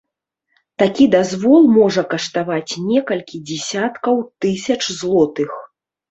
Такі дазвол можа каштаваць некалькі дзесяткаў тысяч злотых.